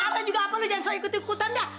gue katanya juga apa lo jangan soal ikut ikutan dah